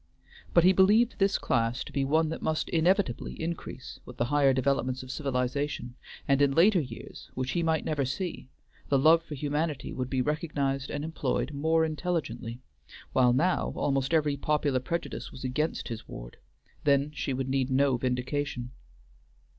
But he believed this class to be one that must inevitably increase with the higher developments of civilization, and in later years, which he might never see, the love for humanity would be recognized and employed more intelligently; while now almost every popular prejudice was against his ward, then she would need no vindication.